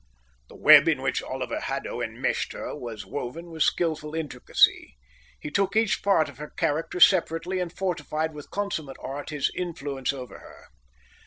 The web in which Oliver Haddo enmeshed her was woven with skilful intricacy. He took each part of her character separately and fortified with consummate art his influence over her.